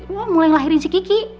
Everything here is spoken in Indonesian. wah mulai ngelahirin si kiki